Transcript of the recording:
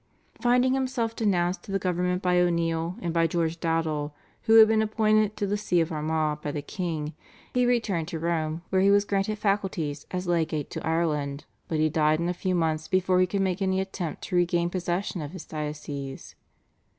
Finding himself denounced to the government by O'Neill and by George Dowdall, who had been appointed to the See of Armagh by the king, he returned to Rome where he was granted faculties as legate to Ireland, but he died in a few months before he could make any attempt to regain possession of his diocese.